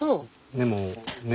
でもね